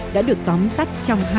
đã được tóm tắt trong một năm